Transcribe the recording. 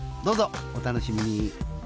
どうぞお楽しみに。